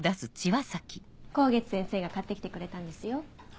香月先生が買って来てくれたんですよ。